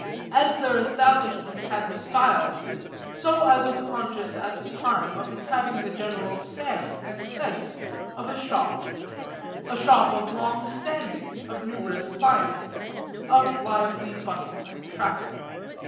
As their establishment had the style, so I was conscious at the time of its having the general stamp and sense, of a shop a shop of long standing, of numerous clients, of lively bustle and traffic.